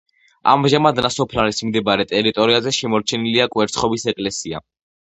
ამჟამად ნასოფლარის მიმდებარე ტერიტორიაზე შემორჩენილია კვერცხობის ეკლესია.